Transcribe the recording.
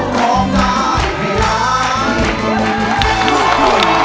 ได้ครับ